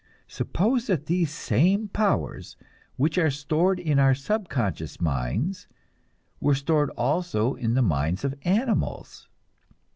Suppose that these same powers, which are stored in our subconscious minds, were stored also in the minds of animals!